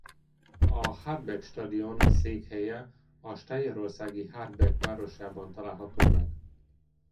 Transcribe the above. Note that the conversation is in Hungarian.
A Hartberg Stadion székhelye a stájerországi Hartberg városában található meg.